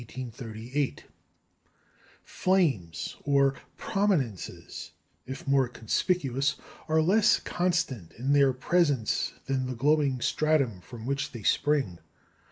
"Flames" or "prominences," if more conspicuous, are less constant in their presence than the glowing stratum from which they spring.